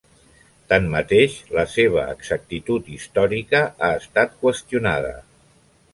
Tanmateix, la seva exactitud històrica ha estat qüestionada.